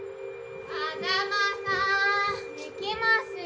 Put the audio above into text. ・風真さん行きますよ・